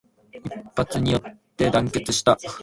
一揆によって団結した